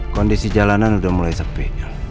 kondisi jalanan sudah mulai sepi